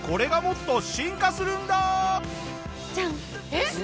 えっ！？